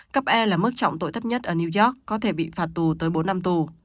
cấp e là mức trọng tội thấp nhất ở new york có thể bị phạt tù tới bốn năm tù